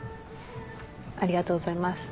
ありがとうございます。